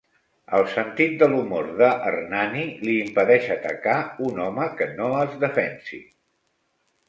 El sentit de l'humor de Hernani li impedeix atacar un home que no es defensi.